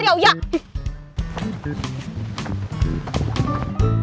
haida itu yang disebut wanita